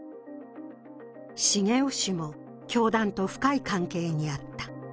重雄氏も教団と深い関係にあった。